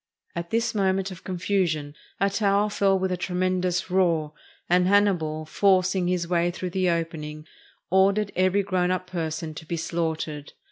At this moment'of confusion a tower fell with a tremendous roar, and Hannibal, forcing his way through the opening, ordered every grown up person to be slaughtered.